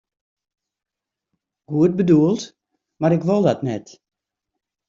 Goed bedoeld, mar ik wol dat net.